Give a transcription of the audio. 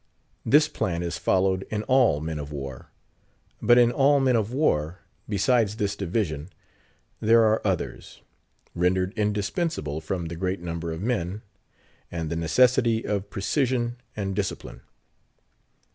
This plan is followed in all men of war. But in all men of war, besides this division, there are others, rendered indispensable from the great number of men, and the necessity of precision and discipline.